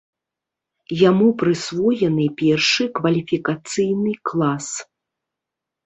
Яму прысвоены першы кваліфікацыйны клас.